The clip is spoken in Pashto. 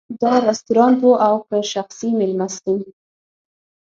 دا رستورانت و او که شخصي مېلمستون.